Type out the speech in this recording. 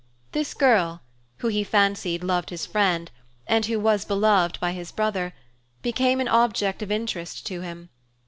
This girl, who he fancied loved his friend and who was beloved by his brother, became an object of interest to him.